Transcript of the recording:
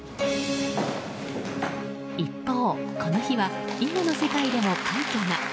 一方、この日は囲碁の世界でも快挙が。